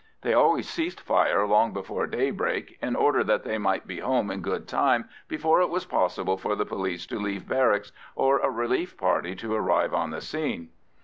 They always ceased fire long before daybreak, in order that they might be home in good time before it was possible for the police to leave barracks or a relief party to arrive on the scene.